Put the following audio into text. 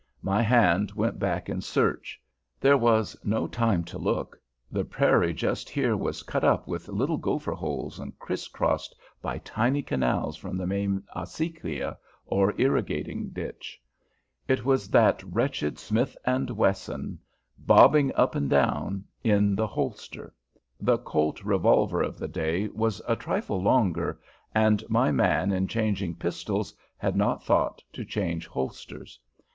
My hand went back in search: there was no time to look: the prairie just here was cut up with little gopher holes and criss crossed by tiny canals from the main acequia, or irrigating ditch. It was that wretched Smith & Wesson bobbing up and down in the holster. The Colt revolver of the day was a trifle longer, and my man in changing pistols had not thought to change holsters.